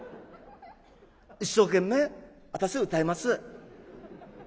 「一生懸命私歌います」。